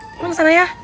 lo kesana ya